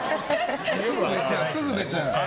すぐ寝ちゃう。